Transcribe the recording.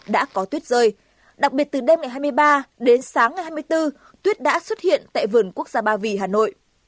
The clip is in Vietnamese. đã có tuyết rơi đặc biệt từ đêm ngày hai mươi ba đến sáng ngày hai mươi bốn tuyết đã xuất hiện tại vườn quốc gia ba vì hà nội